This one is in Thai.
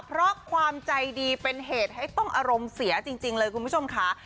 เพราะความใจดีเป็นเหตุให้ต้องอารมณ์เสียจริงเลยคุณผู้ชมค่ะ